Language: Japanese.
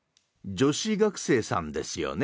女子学生さんですよね？